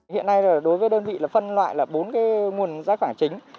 hiện nay đối với đơn vị phân loại là bốn nguồn rác khoảng chính